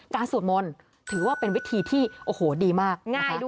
การสวดมนต์ถือว่าเป็นวิธีที่ดีมาก